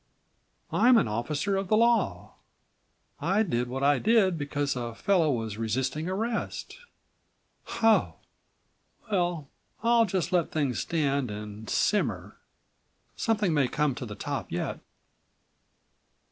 I'm an officer of the law. I did what I did because a fellow was resisting arrest. Ho, well, I'll just let things stand and simmer. Something may come to the top yet."